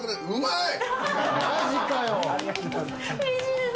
うまい！